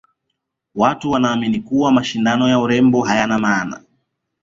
watu wanaamini kuwa mashindano ya urembo hayana maana